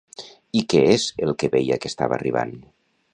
I què és el que veia que estava arribant?